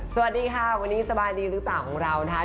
สวัสดีค่ะวันนี้สบายดีหรือเปล่าของเรานะคะ